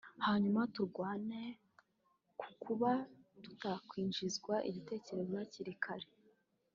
hanyuma turwane ku kuba tutakwinjinzwa igitego hakiri kare